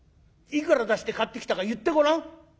「いくら出して買ってきたか言ってごらん」。